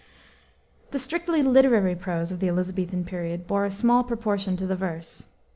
The strictly literary prose of the Elisabethan period bore a small proportion to the verse.